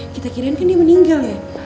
kita kirain kan dia meninggal ya